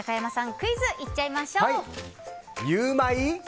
クイズいっちゃいましょう。